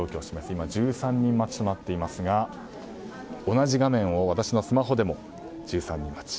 今、１３人待ちとなっていますが同じ画面を私のスマホでも、１３人待ち。